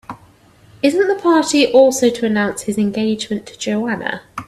Isn't the party also to announce his engagement to Joanna?